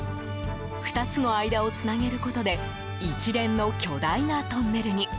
２つの間をつなげることで一連の巨大なトンネルに。